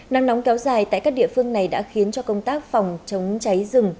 nắng nóng kéo dài tại các địa phương này đã khiến cho công tác phòng chống cháy rừng